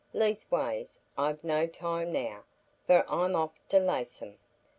Least ways, I've no time now, for I'm off to Laceham.